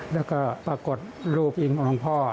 แล้วก็ปรากฏรูปเองของหลวงพ่อ